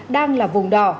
đang là vùng đỏ